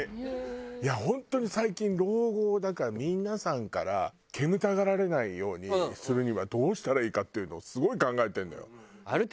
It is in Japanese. いや本当に最近老後だから皆さんから煙たがられないようにするにはどうしたらいいかっていうのをすごい考えてるのよ。